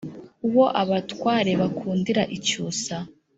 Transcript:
Uwo abatware bakundira icyusa,